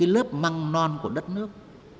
lớp măng non của đất nước